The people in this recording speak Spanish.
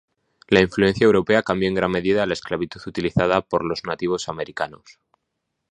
La influencia europea cambió en gran medida la esclavitud utilizada por los nativos americanos.